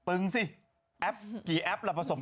อืม